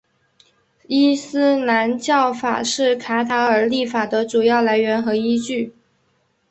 伊斯兰教法是卡塔尔立法的主要来源和依据。